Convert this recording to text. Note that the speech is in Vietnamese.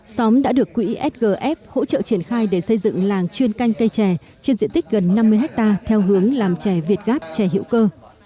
xóm đã được quỹ sgf hỗ trợ triển khai để xây dựng làng chuyên canh cây trè trên diện tích gần năm mươi hectare theo hướng làm chè việt gáp chè hữu cơ